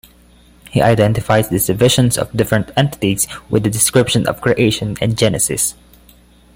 He identifies these divisions of different entities with the description of creation in Genesis.